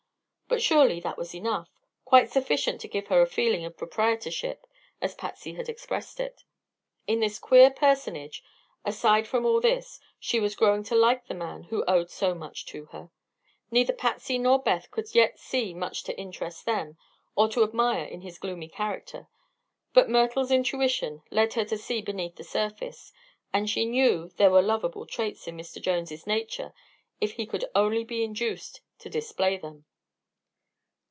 But surely that was enough, quite sufficient to give her a feeling of "proprietorship," as Patsy had expressed it, in this queer personage. Aside from all this, she was growing to like the man who owed so much to her. Neither Patsy nor Beth could yet see much to interest them or to admire in his gloomy character; but Myrtle's intuition led her to see beneath the surface, and she knew there were lovable traits in Mr. Jones' nature if he could only be induced to display them.